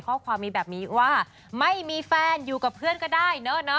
ข้อความมีแบบนี้ว่าไม่มีแฟนอยู่กับเพื่อนก็ได้เนอะ